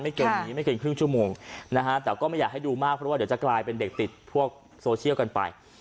เกมนี้ไม่เกินครึ่งชั่วโมงนะฮะแต่ก็ไม่อยากให้ดูมากเพราะว่าเดี๋ยวจะกลายเป็นเด็กติดพวกโซเชียลกันไป